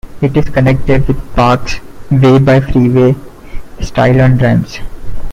It is connected with Parkes Way by freeway style on-ramps.